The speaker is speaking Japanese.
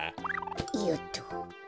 よっと。